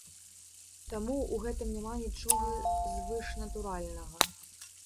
Таму ў гэтым няма нічога звышнатуральнага.